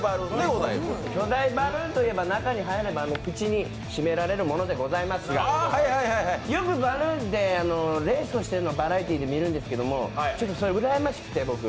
巨大バルーンといえば、中に入れば口で締められるものでございますが、よくバルーンでレースをしているのをバラエティーで見るんですけどちょっとそれ、うらやましくて、僕。